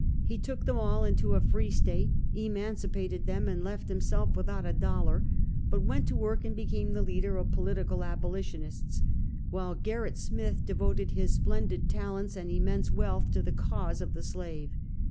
He took them all into a free State, emancipated them, and left himself without a dollar, but went to work and be came tlie leader of political abolitionists, while Ger rit Smith devoted his splendid talents and immense wealth to the cause of the slave.